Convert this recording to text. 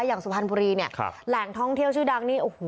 สุพรรณบุรีเนี่ยแหล่งท่องเที่ยวชื่อดังนี่โอ้โห